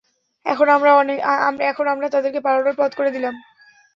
এখন আমরা তাদেরকে পালানোর পথ করে দিলাম।